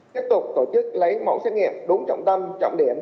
tiếp tục tổ chức lấy mẫu xét nghiệm đúng trọng tâm trọng điểm